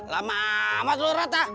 lama amat lurad ah